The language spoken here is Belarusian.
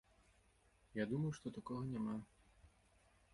Я думаю, што такога няма.